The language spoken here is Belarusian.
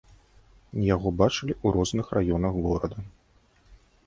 Яго бачылі ў розных раёнах горада.